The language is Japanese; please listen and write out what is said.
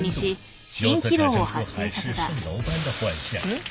えっ？